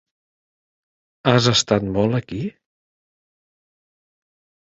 Has estat molt aquí?